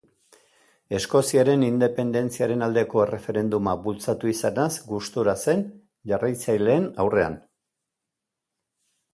Eskoziaren independentziaren aldeko erreferenduma bultzatu izanaz gustura zen jarraitzaileen aurrean.